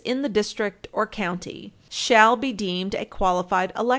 653 in the district or county "shall be deemed a qualified elector."